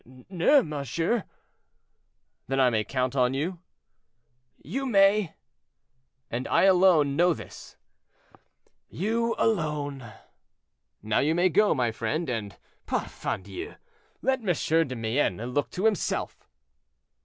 "No, monsieur." "Then I may count on you?" "You may." "And I alone know this?" "You alone." "Now you may go, my friend; and, parfandious, let M. de Mayenne look to himself."